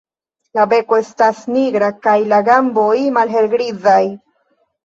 La beko estas nigra kaj la gamboj malhelgrizaj.